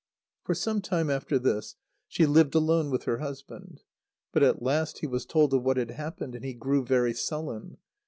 For some time after this, she lived alone with her husband. But at last he was told of what had happened, and he grew very sullen.